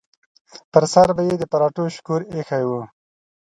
پر سر به یې د پراټو شکور ایښی و.